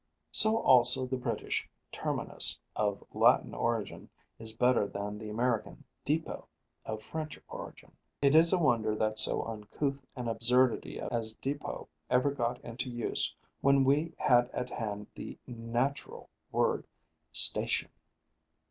So also the British terminus of Latin origin is better than the American depot of French origin; it is a wonder that so uncouth an absurdity as depot ever got into use when we had at hand the natural word station.